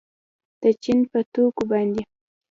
د چین په توکو باندې